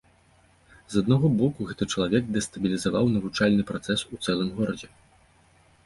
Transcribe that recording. З аднаго боку, гэты чалавек дэстабілізаваў навучальны працэс у цэлым горадзе.